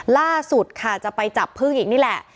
ล่าสุดค่ะจะไปจับพึ่งอีกนี่แหละ